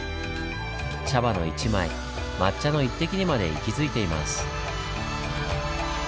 茶葉の一枚抹茶の一滴にまで息づいています。